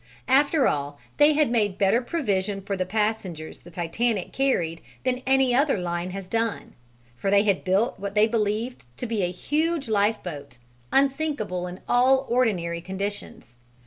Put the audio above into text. After all they had made better provision for the passengers the Titanic carried than any other line has done, for they had built what they believed to be a huge lifeboat, unsinkable in all ordinary conditions.